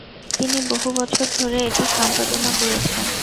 তিনি বহু বছর ধরে এটির সম্পাদনা করেছেন।